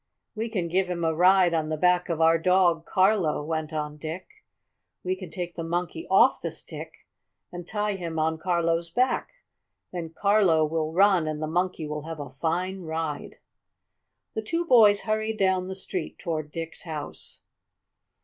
"We can give him a ride on the back of our dog Carlo," went on Dick. "We can take the Monkey off the stick, and tie him on Carlo's back. Then Carlo will run and the Monkey will have a fine ride." The two boys hurried down the street toward Dick's house.